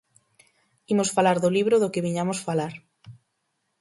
Imos falar do libro do que viñamos falar.